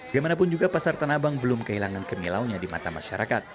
dimanapun juga pasar tanah abang belum kehilangan kemilaunya di mata masyarakat